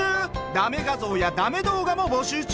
だめ画像やだめ動画も募集中。